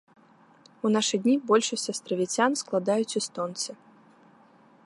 У нашы дні большасць астравіцян складаюць эстонцы.